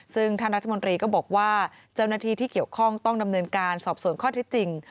ซึ่งท่านรัฐมนตรีก็บอกว่าเจ้าหน้าที่ที่เกี่ยวข้องต้องดำเนินการสอบสวนข้อที่จริง